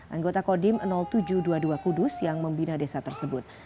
anggota kodim tujuh ratus dua puluh dua kudus yang membina desa tersebut